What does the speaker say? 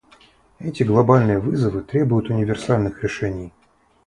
Эти глобальные вызовы требуют универсальных решений.